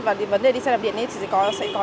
và cái vấn đề đi xe đạp điện thì sẽ có